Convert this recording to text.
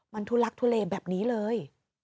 มันทุลักทุเลแบบนี้เลย